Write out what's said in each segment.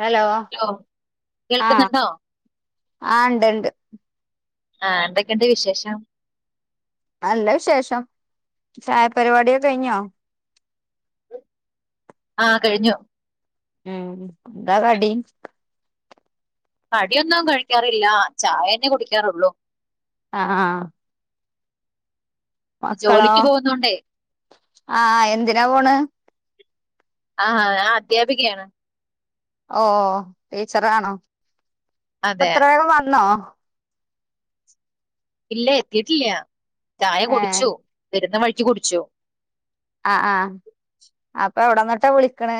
Hello ആ കേൾക്കുന്നുണ്ടോ ആ ണ്ട് ണ്ട് ആ എന്തൊക്കണ്ട് വിശേഷം അല്ല വിശേഷം ചായപരിപാടിയ കഴിഞ്ഞോ ആ കഴിഞ്ഞു ഉം എന്താ കടി കടിയൊന്നും കഴിക്കാറില്ല ചായ തന്നെ കുടിക്കാറുള്ളൂ ആ ആഹ് മക്കളോ ജോലിക്ക് പോകുന്നോണ്ടേ ആഹ എന്തിനാ പോണ് ആ ആ ഞാൻ അദ്ധ്യാപികയാണ് ഓ ടീച്ചറാണോ ഇപ്പൊ അതെ ഇത്രയും വന്നോ ഇല്ല എത്തിട്ടില്ല ചായ ഏഹ് കുടിച്ചു വരുന്ന വഴിക്ക് കുടിച്ചു അ ആ അപ്പൊ എവിടന്നിട്ടാ വിളിക്കണ്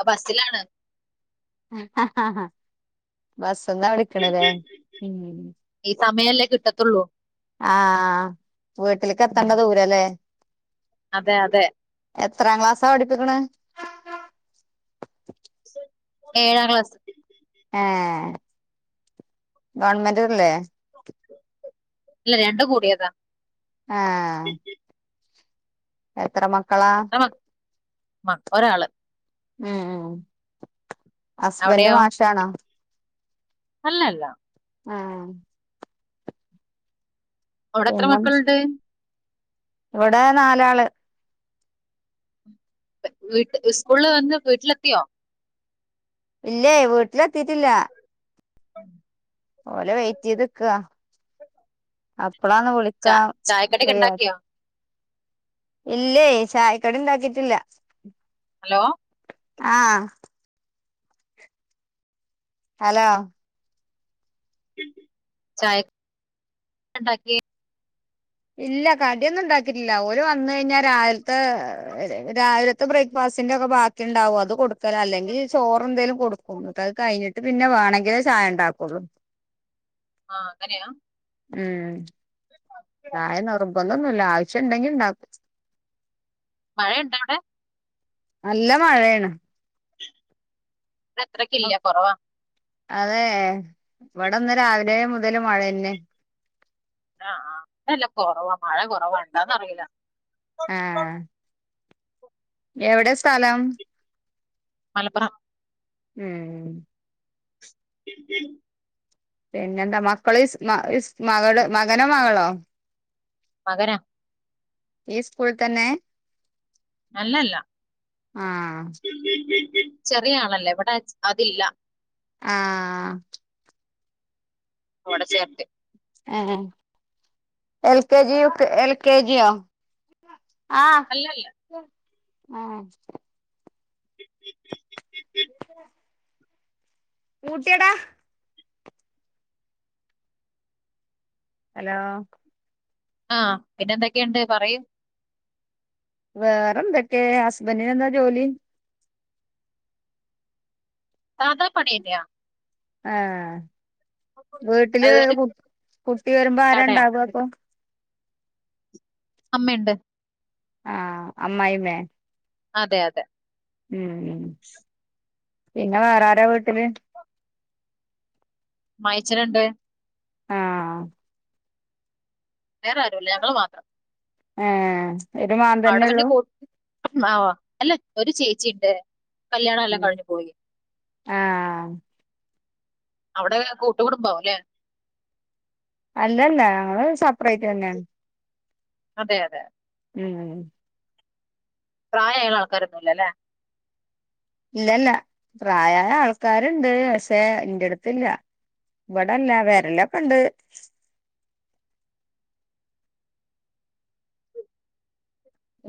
അ ബസ്സിലാണ് അ ആ അ ബസ് എന്താ വിളിക്കണത് ഈ സമയല്ലേ കിട്ടത്തുള്ളൂ ആ.. വീട്ടിലേക്ക് ആ, എത്തേണ്ട ദൂരല്ലേ അതെ അതെ എത്രാം ക്ലാസ്സാ പഠിപ്പിക്കണെ ഏഴാം ക്ലാസ് ഏ ഗവൺമെന്റ്ല്ലേ ഇല്ല രണ്ടു കൂടിയതാ ആ എത്ര മക്കളാ എത്ര മക്ക ഒരാള് ഉം ഹസ്ബൻറ് അവിടെയോ മാഷാണോ അല്ലല്ല ആഹ് അവിടെ എത്ര പിന്നെ മക്കളുണ്ട് ഇവിടെ നാലാള് വീട്ട സ്കൂളില് വന്ന് വീട്ടിലെത്തിയോ ഇല്ലേ വീട്ടിലെ എത്തീട്ടില്ല [inaudible] ഓല വൈറ്റ് ചെയ്ത് നിൽക്കുവാ ആ ച ചായകടിയൊക്കെ ഫ്രീയായത്. ഉണ്ടാക്കിയോ ഇല്ലേ ചായക്കട ഇണ്ടാക്കിട്ടില്ല ഹലോ ആ ഹലോ ചായണ്ടാക്കി ഇല്ല കടിയൊന്നും ഉണ്ടാക്കിട്ടില്ല ഓര് വന്ന് കഴിഞ്ഞാൽ രാവിലത്തെ രാവിലത്തെ ബ്രേക്ക്ഫാ ബ്രേക്ക്ഫാസ്റ്റിൻ്റെ ഒക്കെ ബാക്കിണ്ടാവും അത് കൊടുക്കല അല്ലെങ്കിൽ ചോറെന്തലും- കൊടുക്കും ന്നിട്ട് അത് കഴിഞ്ഞിട്ട് പിന്നെ വേണങ്കിലേ ചായ ഉണ്ടാക്കുള്ളൂ ആഅങ്ങനെയാ മ്മ്മ് ചായ നിർബന്ധന്നുല്ല ആവശ്യം ഉണ്ടെങ്കി മഴയുണ്ട അവിടെ നല്ല മഴയാണ് അത്രക്കില്ല കൊറവാ അതെ ഇവിടെന്ന് രാവിലെ മുതൽ മഴ തന്നെ ആ ആ ഇവിടെല്ല കുറവാ മഴ കുറവണ്ടാന്ന് അറിയില്ല ആ എവിടെ സ്ഥലം മലപ്പറം ഉം [inaudible] പിന്നെന്താ മക്കൾ മ മകൾ മകനോ മകളോ മകനാ ഈ സ്കൂൾ തന്നെ അല്ലല്ല ആഹ് ചെറിയ ആളല്ലേ ഇവിടെ അതില്ല ആ അവിടെ ചേർത്തി A L K G U K L K ജിയോ അല്ലല്ല ആ ഉം [inaudible] പൂട്ടിയടാ ഹലോ ആ പിന്നെ എന്തൊക്കെയുണ്ട് പറയൂ വേറൊന്തൊക്കെ ഹസ്ബൻ്റ്ന് എന്താ ജോലി സാധാ പണിയന്നാ ആ വീട്ടില് അത് കുട്ടി വരുമ്പോ കടയാ ആരാണ്ടാകും അപ്പൊ അമ്മണ്ട് ആ അമ്മായ്മേ അതെ അതെ ഉം പിന്നെ വേറാരാ വീട്ടില് മ്മായച്ഛനുണ്ട് ആ വേറെ ആരുല്ല ഞങ്ങള് മാത്രം ഏ [inaudible] അല്ല ഒരു ചേച്ചി ഉണ്ട് കല്യാണം എല്ലാം കഴിഞ്ഞു പോയി ആ അവിടെ കൂട്ടുകുടുംബവുല്ലേ അല്ലല്ലാ ഞങ്ങള് സെപ്പറേറ്റ് തന്നെയാണ് അതെ അതെെ ഉം പ്രായായ ആൾക്കാര്ഒന്നുംല്ലോ അല്ലേ ഇല്ലല്ല പ്രായ ആൾക്കാരുണ്ട് പക്ഷേ എന്റെ അടുത്തില്ല ഇവിടെല്ല വരലൊക്കെ ഇണ്ട്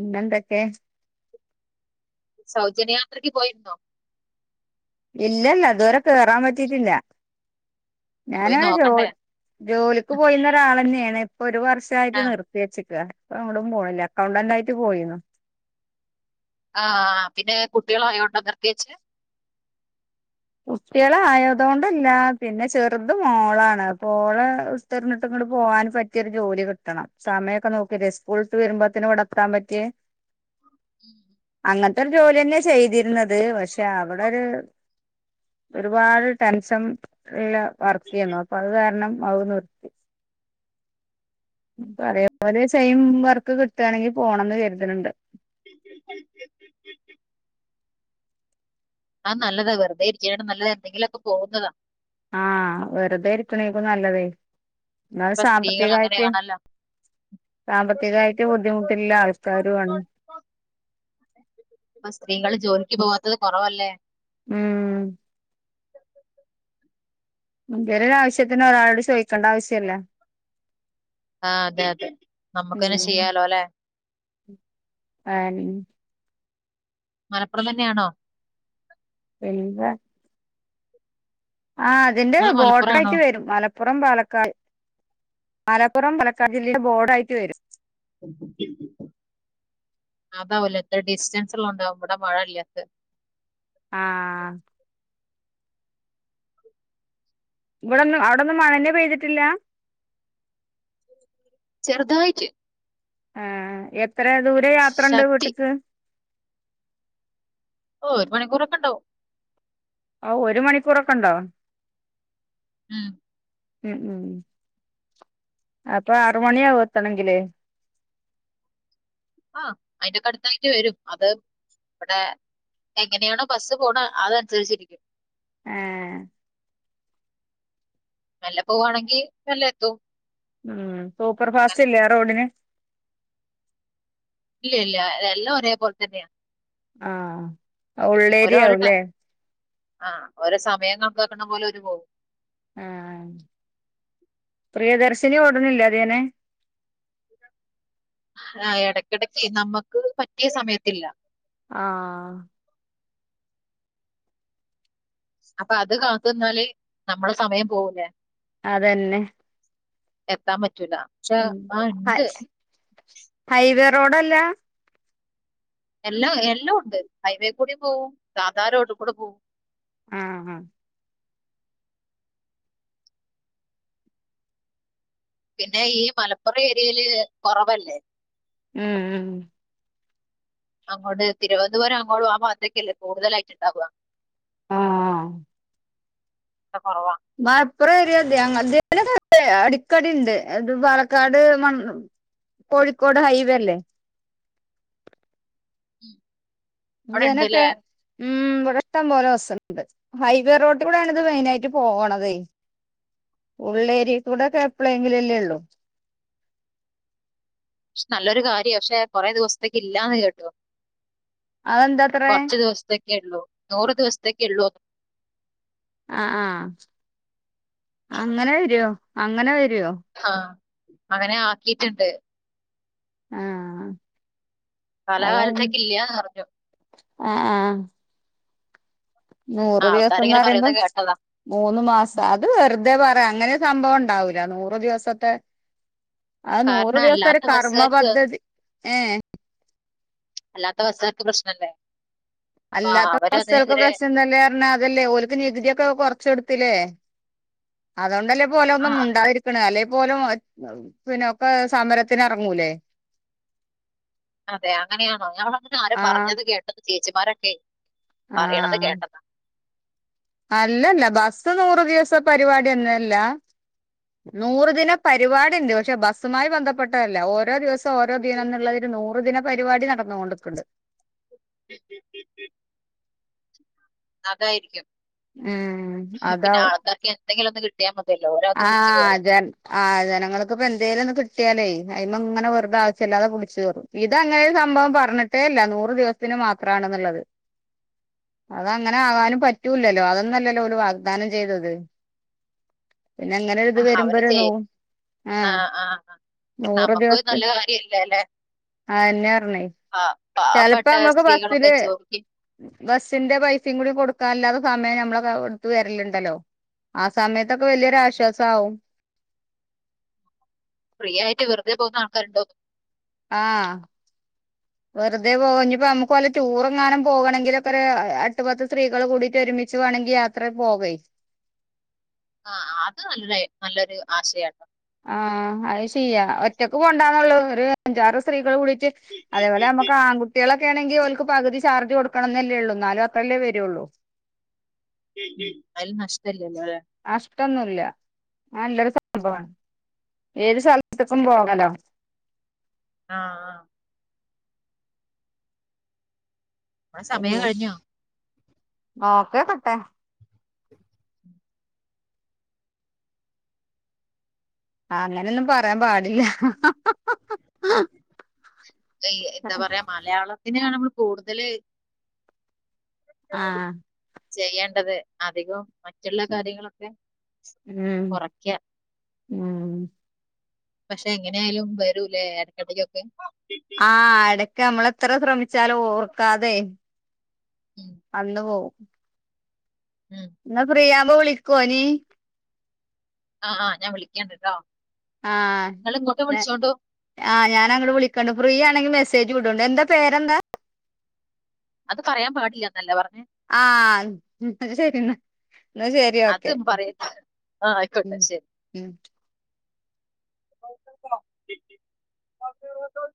ഇന്നന്തക്കെ സൗജന്യയാത്രക്ക് പോയിരുന്നോ ഇല്ലല്ല ഇതുവരെ കേറാൻ പറ്റിട്ടില്ല പോയി ഞാനോ ജോ നോക്കണ്ടേ ജോലിക്ക് പോയിരുന്നാരാൾ തന്നെയാണ് ഇപ്പൊ ഒരു വർഷയിട്ട് ആ നിർത്തി വെച്ചക്കുവാ അപ്പൊ അങ്ങോടും പോണില്ല അക്കൗണ്ടന്റ് ആയിട്ട് പോയിന്ന് ആ പിന്നെ കുട്ടികൾ ആയോണ്ടാ നിർത്തിവെച്ചേ കുട്ടികൾ ആയതുകൊണ്ടല്ല പിന്നെ ചെറുത് മോളാണ്പ്പോളെ ഓളെ വിട്ടെറിഞ്ഞിട്ട് പോകൻ പറ്റിയൊരു ജോലി കിട്ടണം സമയമൊക്കെ നോക്കല്ലേ സ്കൂൾട്ട് വരുമ്പോത്തന് ഇവിടെ എത്താൻ പറ്റിയെ ഉം അങ്ങനത്തെ ഒരു ജോലി തന്നെയാ ചെയ്തിരുന്നത് പക്ഷെ അവിടെരു ഒരുപാട് ടെൻഷൻ ഉള്ള വർക്ക് ചെയ്യുന്നു അപ്പൊ അത് കാരണം അവിടുന്ന് വിട്ട് ഇപ്പൊ അതെപോലെ സെയിം വർക്ക് കിട്ടുകയാണെങ്കിൽ പോണന്ന് കരുതുന്നുണ്ട് ആ നല്ലതാ വെറുതെ ഇരിക്കാണ്ട് നല്ല എന്തെങ്കിലുമൊക്കെ പോന്നതാ ആ വെറുതെ ഇരിക്കണയിരിക്കും നല്ലതേ എന്ന ഇപ്പൊ സ്ത്രീകൾ സാമ്പത്തിക ആയിട്ട് അങ്ങനെയാണല്ലോ സാമ്പത്തികമായിട്ട് ബുദ്ധിമുട്ടില്ല ആൾക്കാരുമാണ് ഇപ്പ സ്ത്രീകൾ ജോലിക്ക് പോവാത്തത് കൊറവല്ലേ ഉം എന്തേലും ഒരു ആവശ്യത്തിന് ഒരാളോട് ചോദിക്കണ്ട ആവശ്യല്ല ആ അതെ അതെ നമുക്കാന്നെ ചെയ്യാലോ അല്ലെ ആ മലപ്പുറം തന്നെയാണോ എന്താ ആ അതിന്റെ നിങ്ങൾ മലപ്പുറം ബോർഡർ ആണോ ആയിട്ട് വരും മലപ്പുറം പാലക്കാട് [inaudible] അതാവല്ലേ ഇത്ര ഡിസ്റ്റൻസ് ഉണ്ടാവും ഇവിടെ മഴയില്ലാത്ത ആ ഇവിടൊന്ന് അവിടൊന്നും മഴയൊന്നും പെയ്തിട്ടില്ല ചെറുതായിട്ട് ആ ആ എത്ര ദൂരെ യാത്രയുണ്ട് ശക്തി വീട്ടിക്ക് ഓ ഒരു മണിക്കൂറൊക്കെ ഉണ്ടാവും ആ ഒരു മണിക്കൂറൊക്കെ ഉണ്ടോ ഉം ഉം ഉം അപ്പൊ ആറ് മണി ആവും എത്തണമെങ്കില് ആ അയിന്റെയാെക്ക അടുത്തായിട്ട് വരും അത് ഇവിടെ എങ്ങനെയാണോ ബസ് പോണ അതനുസരിച്ചിരിക്കും ആ മെല്ലെ പോവുവാണെങ്കിൽ നല്ല എത്തും ഉം സൂപ്പർ അങ്ങനെ ഫാസ്റ്റ് ഇല്ലയാ ആ റോഡിന് ഇല്ല ഇല്ല എല്ലാം ഒരേ പോലെ തന്നെയാ ആ ട- ഉള്ളേരിയാവുമല്ലേ ആ ഓരോ സമയം കണക്കാണ പോലെ ഓല് പോകും ആ പ്രിയദർശിനി ഓടുന്നില്ല അതേനെ ആ ഇടക്കിടക്ക് നമ്മുക്ക് പറ്റിയ സമയത്തില്ല ആ അപ്പൊ അത് കാത്തുന്നിന്നാല് നമ്മള സമയം പോകൂലേ അതെന്നെ എത്താൻ പറ്റൂല പക്ഷേ ആ ഹൈ ഇണ്ട്. ഹൈവേ റോഡല്ല. എല്ലാ എല്ലോ ഉണ്ട് ഹൈവേ കൂടി പോവും സാധാ റോഡ് കൂടെ പോവും. ആഹ് ആഹ് പിന്നെ ഈ മലപ്പുറ ഏരിയേല് കൊറവല്ലേ. മ് മ് അങ്ങോട്ട് തിരുവനന്തപുരം അങ്ങോട്ട് ആ ഭാത്തേക്കല്ലേ കൂടുതലായിട്ട്ണ്ടാവ്. ആഹ് ആഹ് ഇവിടെ കുറവാ മലപ്പുറ [unintelligible] അത് അടിക്കടി ഉണ്ട് അത് പാലക്കാട് മണ്- കോഴിക്കോട് ഹൈവേ അല്ലേ? [unintelligible] അവിടെ ഉണ്ട് ഇവനൊക്കെ അല്ലേ ഉം ഇവിടെ ഇഷ്ടം പോലെ ബസ്സുണ്ട്. ഹൈവേ റോട്ടി കൂടൊണ് ഇത് മെയിൻ ആയിട്ട് പോവണതെ ഉം ഉള്ളേരിയ കൂടെക്കെ എപ്പഴെങ്കിലും ഒക്കെയല്ലേ ഉള്ളൂ. പക്ഷ നല്ലൊരു കാര്യ പക്ഷെ കൊറെ ദിവസത്തേക്ക് ഇല്ലാന്ന് കേട്ടു. അതെന്താത്രേ കുറച്ച് ദിവസത്തേക്കേ ഉള്ളൂ. നൂറ് ദിവസത്തേക്കെ ഉള്ളൂ. ആ ആ അങ്ങനെ വരോ അങ്ങനെ വരു ആ അങ്ങനെ ആക്കിയിട്ടിട്ടുണ്ട്. ആ ആ കാലാകാലത്തേക്ക് ഇല്യായന്ന് പറഞ്ഞു. ആ ആഹ് ആ നൂറ് ദിവസന്ന് ആൾക്കാരിങ്ങനെ പറയുമ്പോ പറയുന്നത് കേട്ടതാ മൂന്ന് മാസം ഉം. അത് വെറുതെ പറ- അങ്ങനെ സംഭവം ഉണ്ടാവൂല നൂറ് ദിവസത്തെ അത് നൂറ് കാരണം ദിവസത്തെ ഒരു അല്ലാത്ത കർമ്മ ബസ്സുകാർക്ക് പദ്ധതി ഏ അല്ലാത്ത ബസ്സുകൾക്ക് പ്രശ്നല്ലേ? അല്ലാത്ത ബസ്സുകൾക്ക് പ്രശ്നംന്നല്ല പറഞ്ഞ അതല്ലേ ഓക്ക് നികുതിയൊക്കെ കൊറച്ച കൊടുത്ത ത്തില്ലേ അതുകൊണ്ടല്ലേ ഓല് ഒന്നും ആ മുണ്ടാതിരിക്കണ അല്ലെ? പോലും പിന്നെക്കെ സമരത്തിന് ഇറങ്ങൂലേ? അതെ അങ്ങനെയാണോ ഞങ്ങളെക്കെ ആരോ ആഹ് പറഞ്ഞത് കേട്ടത് ചേച്ചിമാരൊക്കെ പറയണത് ആഹ് കേട്ടതാ. അല്ലല്ല ബസ് നൂറ് ദിവസ പരിപാടി ഒന്നുല്ല. നൂറു ദിന പരിപാടി ഉണ്ട്. പക്ഷെ ബസ്സുമായി ബന്ധപ്പെട്ടതല്ല ഓരോ ദിവസം ഓരോ ദിനം [unintelligible] നൂറ് ദിന പരിപാടി നടന്നുകൊണ്ടിക്കുന്നുണ്ട് അതായിരിക്കും ഉം അതാ പിന്നെ ആൾക്കാർക്ക് എന്തെങ്കിലും ഒന്ന് കിട്ടിയാ മതി. ആഹ് ജൻ ആഹ് ജനങ്ങൾക്ക് ഇപ്പോ എന്തേലും ഒന്ന് കിട്ടിയാലേ അയ്‌മെ ഇങ്ങനെ വെറുതെ ആവശ്യല്ലാതെ പിടിച്ചു കേറും ഇത് അങ്ങനെ സംഭവം പറഞ്ഞിട്ടേ ഇല്ല നൂറ് ദിവസത്തിന് മാത്രാണ് ന്ന്ള്ളത് അതങ്ങനെ ആകാനും പറ്റൂല്ലല്ലോ, അതൊന്നും അല്ലല്ലോ ഓല് വാഗ്ദാനം ചെയ്തത് പിന്നെ ഇങ്ങനെ ഇത് വരുമ്പോ ഒര് നൂ ആഹ് ആഹ് നമ്മക്ക് ഒര് നല്ല കാര്യല്ലല്ലെ? ആയെന്നെയാ പറഞ്ഞേ ചെലപ്പോ പാവപ്പെട്ട നമ്മക്ക് സ്ത്രീകളൊക്കെ ബസ്സില് ജോലിക്ക് ബസ്സിന്റെ പൈസയും കൂടി കൊടുക്കാൻല്ലാതെ സമയം ഞമ്മളെ ക എടുത്ത് വരല്ണ്ടല്ലോ ആ സമയത്തൊക്കെ വലിയൊരു ആശ്വാസാവും ഫ്രീയായിട്ട് വെറുതെ പോകുന്ന ആൾക്കാരുണ്ടോന്ന് ആഹ് വെറുതെ പോകാഞ്ഞിപ്പോ ഞമ്മക്ക് വല്ല ടൂറെങ്ങാനും പോകണെങ്കിലൊക്കെ ഒര് എട്ടു പത്ത് സ്ത്രീകള് കൂടീട്ട് ഒരുമിച്ച് വേണെങ്കി യാത്രേ പോകേ ആ അത് നല്ലൊര് ഐ നല്ലൊരു ആശയാട്ടോ ആ അത് ശരിയാ ഒറ്റക്ക് പോവണ്ടന്നെഉള്ള് ഒരു അഞ്ചാറ് സ്ത്രീകള് കൂടി അതേപോലെ നമുക്ക് ആൺകുട്ടികള ണെങ്കിൽ ഓല്ക്ക് പകുതി ചാർജ് കൊടുക്കണം എന്നല്ലേ ഉള്ളൂ ന്നാലും അത്രല്ലേ വരുള്ളൂ അതില് നഷ്ട്ടില്ലല്ലോ അല്ലെ നഷ്ടൊന്നുല്ല അത് നല്ലൊരു സംഭവാ ഏത് സ്ഥലത്തക്കും പോകാല്ലോ ആ ആ അമ്മടെ സമയം കഴിഞ്ഞോ ഓക്കെ പട്ടെ അങ്ങനൊന്നും പറയാൻ പാടില്ല എന്താ പറയാ മലയാളത്തിനെയാണ് നമ്മൾ കൂടുതല് ആ ചെയ്യേണ്ടത് അധികം മറ്റുള്ള കാര്യങ്ങളൊക്കെ ഉം കുറക്ക ഉം പക്ഷെ എങ്ങനെ ആയാലും വരൂല്ലേ എടക്കെടക്കൊക്കെ ആ എടക്ക് നമ്മളെത്ര ശ്രമിച്ചാലും ഓർക്കാതെ ഉം, വന്ന് പോകും ഉം. എന്നാ ഫ്രീയാവുമ്പോ വിളിക്കോ ഇനി ആഹ് ആ ഞാൻ വിളിക്കാം കെട്ടോ ആ [unintelligible] ആ ഞാൻ അങ്ങട് വിളിക്കണ്ടു ഫ്രീ ആണെങ്കി മെസ്സേജ് വിടുണ്ട് എന്താ പേരെന്താ അത് പറയാൻ പാടില്ല എന്നല്ല പറഞ്ഞേ ആ അന്ന ശരി എന്നാ എന്നാ ശരി ഓക്കെ അതും പറയട്ടെ ആ ആയിക്കോട്ടെ ഉം ശരി ഉം [inaudible]